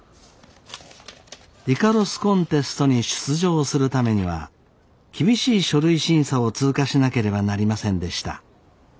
イカロスコンテストに出場するためには厳しい書類審査を通過しなければなりませんでした。